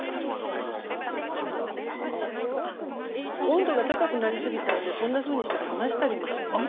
温度が高くなりすぎたらねこんなふうにして冷ましたりもします。